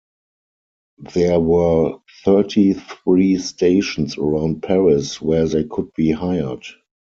There were thirty-three stations around Paris where they could be hired.